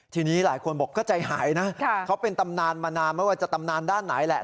ทีนี้หลายคนบอกก็ใจหายนะเขาเป็นตำนานมานานไม่ว่าจะตำนานด้านไหนแหละ